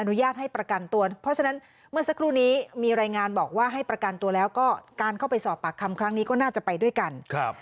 ญาตให้ประกันตัวเพราะฉะนั้นเมื่อสักครู่นี้มีรายงานบอกว่าให้ประกันตัวแล้วก็การเข้าไปสอบปากคำครั้งนี้ก็น่าจะไปด้วยกันครับ